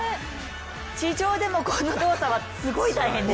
地上でもこの動作はすごい大変です！